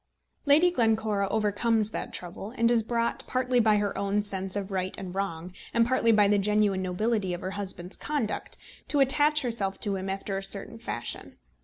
Lady Glencora overcomes that trouble, and is brought, partly by her own sense of right and wrong, and partly by the genuine nobility of her husband's conduct, to attach herself to him after a certain fashion.